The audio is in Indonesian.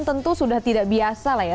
tentu sudah tidak biasa lah ya